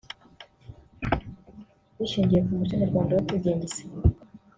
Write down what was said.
rishingiye ku muco nyarwanda wo kwigengesera